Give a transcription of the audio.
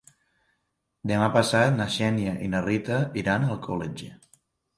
Demà passat na Xènia i na Rita iran a Alcoletge.